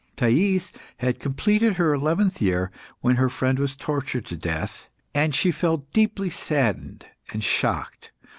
Thais had completed her eleventh year when her friend was tortured to death, and she felt deeply saddened and shocked.